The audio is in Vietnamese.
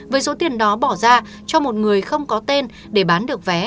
với số tiền đó bỏ ra cho một người không có tên để bán được vé